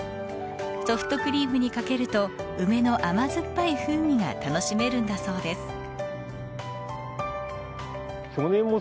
ソフトクリームにかけると梅の甘酸っぱい風味が楽しめるんだそうです。